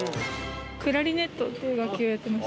クラリネットっていう楽器をやってました。